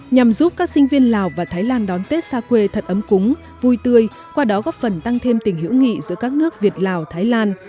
nhằm giúp các sinh viên lào và thái lan đón tết xa quê thật ấm cúng vui tươi qua đó góp phần tăng thêm tình hữu nghị giữa các nước việt lào thái lan